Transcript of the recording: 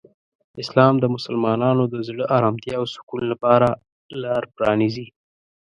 اسلام د مسلمانانو د زړه آرامتیا او سکون لپاره لاره پرانیزي.